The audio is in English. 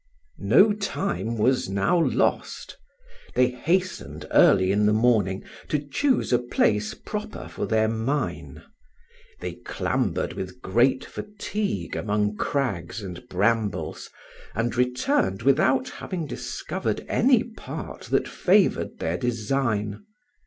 No time was now lost. They hastened early in the morning to choose a place proper for their mine. They clambered with great fatigue among crags and brambles, and returned without having discovered any part that favoured their design.